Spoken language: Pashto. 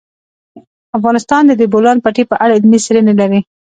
افغانستان د د بولان پټي په اړه علمي څېړنې لري.